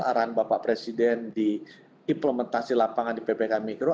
arahan bapak presiden di implementasi lapangan di ppkm mikro